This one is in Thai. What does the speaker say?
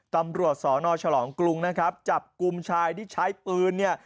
ตำรวจสนฉลองกรุงนะครับจับกลุ่มชายที่ใช้ปืนเนี่ย